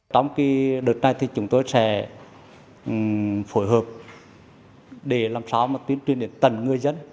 trong đợt này thì chúng tôi sẽ phối hợp để làm sao mà tuyên truyền đến tầng người dân